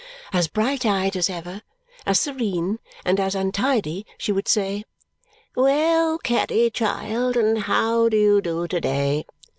As bright eyed as ever, as serene, and as untidy, she would say, "Well, Caddy, child, and how do you do to day?"